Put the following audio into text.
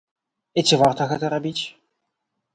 І ці варта гэта рабіць?